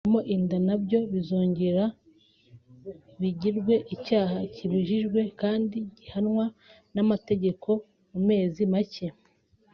gukuramo inda nabyo bizongera bigirwe icyaha kibujijwe kandi gihanwa n’amategeko mu mezi make